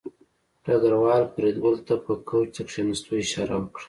ډګروال فریدګل ته په کوچ د کېناستو اشاره وکړه